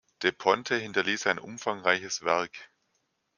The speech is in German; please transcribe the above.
De Ponte hinterließ ein umfangreiches Werk.